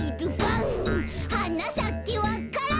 「はなさけわか蘭」